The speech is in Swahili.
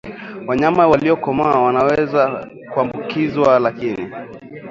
Wanyama waliokomaa wanaweza kuambukizwa lakini